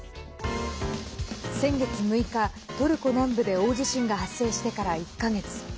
先月６日、トルコ南部で大地震が発生してから１か月。